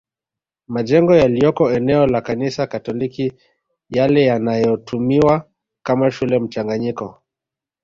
Majengo yaliyoko eneo la Kanisa Katoliki yale yanayotumiwa kama shule mchanganyiko